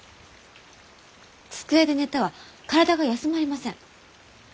机で寝ては体が休まりません。